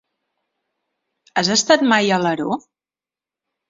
Has estat mai a Alaró?